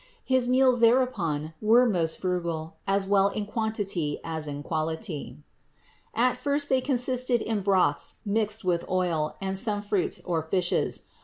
His meals thereupon were most frugal as well in quantity as in quality. At first they consisted in broths mixed with THE INCARNATION 593 oil, and some fruits or fishes.